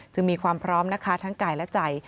มีความพร้อมนะคะทั้งกายและใจ